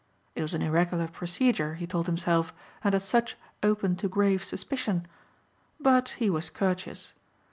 It was an irregular procedure, he told himself and as such open to grave suspicion. But he was courteous.